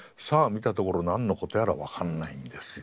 見たところ何のことやら分かんないんですよ。